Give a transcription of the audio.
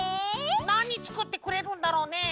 なにつくってくれるんだろうね？